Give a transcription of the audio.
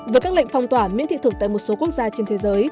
với các lệnh phong tỏa miễn thị thực tại một số quốc gia trên thế giới